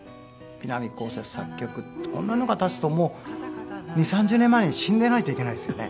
こうせつ作曲ってこんなのが立つともう２０３０年前に死んでいないといけないですよね。